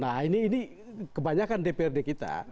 nah ini kebanyakan dprd kita